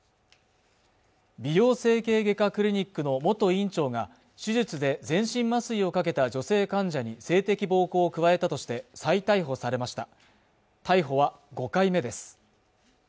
美容整形外科クリニックの元院長が手術で全身麻酔をかけた女性患者に性的暴行を加えたとして再逮捕されました逮捕は５回目です